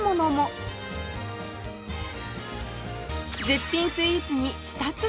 絶品スイーツに舌鼓